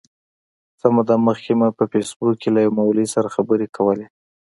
څه موده مخکي مي په فېسبوک کي له یوه مولوي سره خبري کولې.